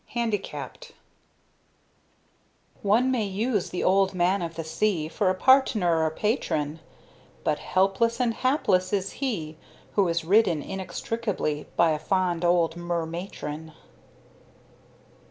HANDICAPPED One may use the Old Man of the Sea, For a partner or patron, But helpless and hapless is he Who is ridden, inextricably, By a fond old mer matron.